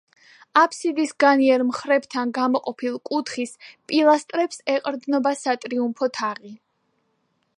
აფსიდის განიერ მხრებთან გამოყოფილ კუთხის პილასტრებს ეყრდნობა სატრიუმფო თაღი.